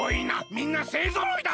みんなせいぞろいだ！